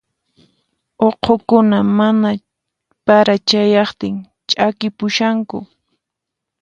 Uqhukuna mana para chayaqtin ch'akipushanku.